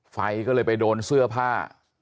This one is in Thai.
ไฟก็เลยไปโดนเสื้อผ้า